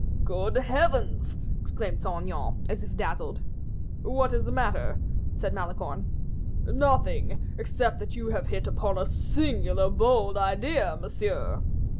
"Good heavens!" exclaimed Saint Aignan, as if dazzled. "What is the matter?" said Malicorne. "Nothing, except that you have hit upon a singular, bold idea, monsieur."